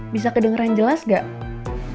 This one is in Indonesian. bisa kedengeran jelas gak